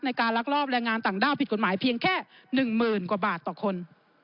ในการลักลอบแรงงานต่างด้าวผิดกฎหมายเพียงแค่๑๐๐๐กว่าบาทต่อคน